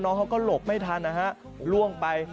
เขาก็หลบไม่ทันนะฮะล่วงไป